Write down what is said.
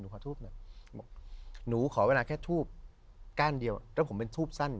ขอทูบหน่อยหนูขอเวลาแค่ทูบก้านเดียวแล้วผมเป็นทูบสั้น